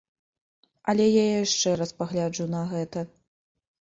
Але я яшчэ раз пагляджу на гэта.